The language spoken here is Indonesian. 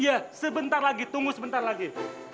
iya sebentar lagi tunggu sebentar lagi